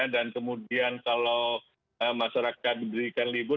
dan kemudian kalau masyarakat memberikan libur